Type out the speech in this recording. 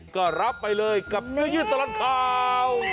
ก็รับไปเลยกับเนื้อยืดตลอดข่าว